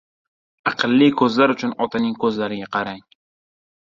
Aqlli ko'zlar uchun otaning ko'zlariga qarang.